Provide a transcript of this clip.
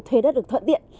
thuê đất được thuận tiện